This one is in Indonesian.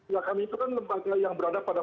ya kami itu kan lembaga yang berada pada